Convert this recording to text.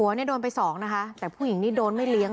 ว้าโดนไป๒นะคะแต่พ่อหญิงนี่โดนไม่เลี้ยง